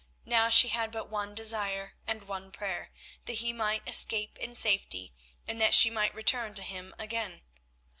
Now she had but one desire and one prayer—that he might escape in safety, and that she might return to him again.